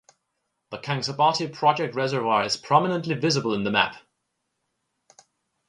The Kangsabati project reservoir is prominently visible in the map.